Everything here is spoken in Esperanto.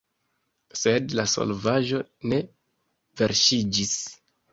Sed la solvaĵo ne verŝiĝis.